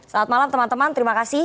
selamat malam teman teman terima kasih